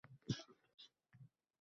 na sadr-u siylovga egilar bu bosh.